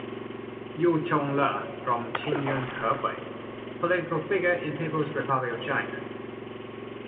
Yu Chongle, from Qingyun, Hebei, political figure in People’s Republic of China.